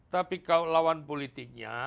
tapi kalau lawan politiknya